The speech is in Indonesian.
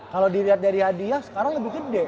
kalau dilihat dari hadiah sekarang lebih gede